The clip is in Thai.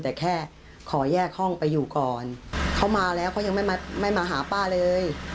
แต่แค่ขอแยกห้องไปอยู่ก่อนเขามาแล้วเขายังไม่มาไม่มาหาป้าเลย